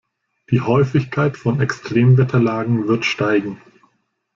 Die Häufigkeit von Extremwetterlagen wird steigen.